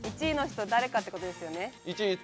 １位の人誰かってことですよね？